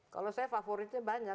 kalau saya favoritnya banyak